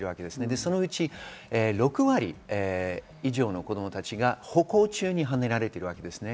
そのうち６割以上の子供たちが歩行中にはねられています。